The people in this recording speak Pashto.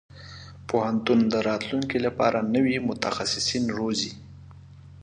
پوهنتون د راتلونکي لپاره نوي متخصصين روزي.